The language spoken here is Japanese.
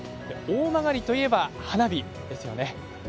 大曲といえば花火ですよね。